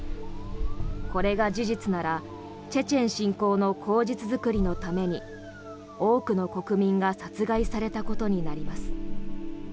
これが事実ならチェチェン侵攻の口実作りのために多くの国民が殺害されたことになります。